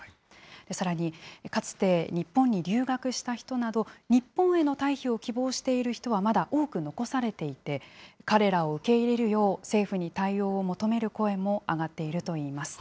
さらに、かつて日本に留学した人など、日本への退避を希望している人はまだ多く残されていて、彼らを受け入れるよう、政府に対応を求める声も上がっているといいます。